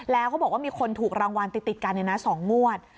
แล้วเขาบอกว่ามีคนถูกรางวัลติดกันเนี่ยนะสองมวด